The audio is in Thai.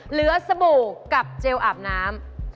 เหลือสบู่กับเจลอาบน้ำ